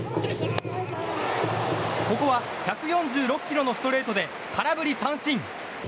ここは１４６キロのストレートで空振り三振。